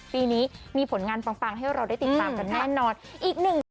ปีนี้มีผลงานฟังให้เราได้ติดตามกันแน่นอน